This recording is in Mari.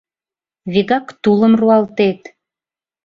Вигак тулым руалтет.